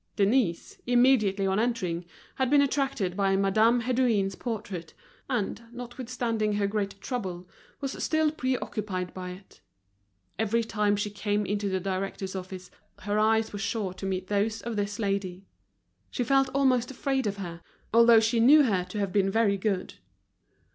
Denise, immediately on entering, had been attracted by Madame Hédouin's portrait; and, notwithstanding her great trouble, was still pre occupied by it. Every time she came into the director's office her eyes were sure to meet those of this lady. She felt almost afraid of her, although she knew her to have been very good.